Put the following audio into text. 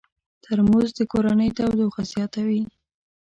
ترموز د کورنۍ تودوخه زیاتوي.